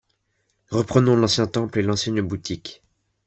Reprenons l'ancien temple et l'ancienne boutique ;